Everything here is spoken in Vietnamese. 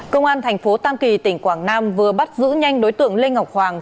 công an tp tam kỳ tỉnh quảng nam vừa bắt giữ nhanh đối tượng lê ngọc hoàng